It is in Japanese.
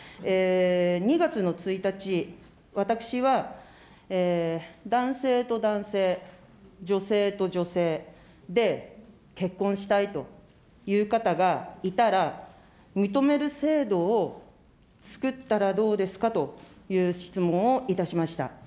２月の１日、私は、男性と男性、女性と女性で結婚したいという方がいたら、認める制度を作ったらどうですかという質問をいたしました。